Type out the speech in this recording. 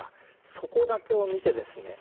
そこだけを見てですね